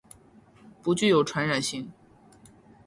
不具有传染性。